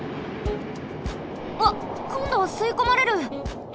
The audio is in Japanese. わっこんどはすいこまれる！